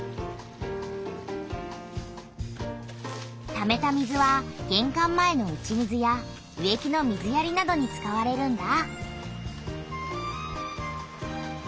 ためた水はげんかん前の打ち水や植木の水やりなどに使われるんだ。